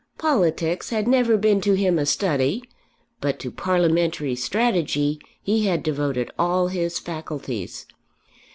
Politics had never been to him a study; but to parliamentary strategy he had devoted all his faculties.